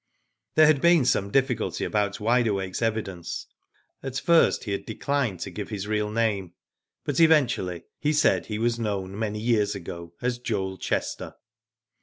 There had been some difficulty about Wide Awake's evidence. At first he had declined to give his real name, but eventually, he said he was known many years ago as Joel Chester.